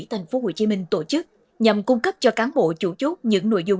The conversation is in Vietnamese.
tp hcm tổ chức nhằm cung cấp cho cán bộ chủ chốt những nội dung